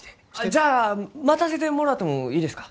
じゃあ待たせてもろうてもえいですか？